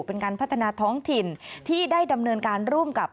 เป็นการพัฒนาท้องถิ่นที่ได้ดำเนินการร่วมกับ